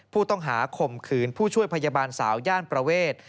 ข้อหาข่มขืนผู้ช่วยพยาบาลสาวย่านประเวท